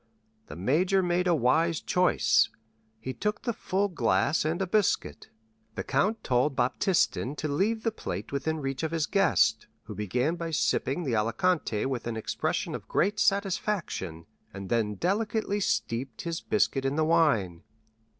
The major made a wise choice; he took the full glass and a biscuit. The count told Baptistin to leave the plate within reach of his guest, who began by sipping the Alicante with an expression of great satisfaction, and then delicately steeped his biscuit in the wine.